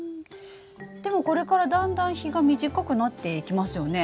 でもこれからだんだん日が短くなっていきますよね。